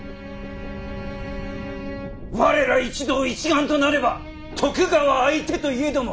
我ら一同一丸となれば徳川相手といえども。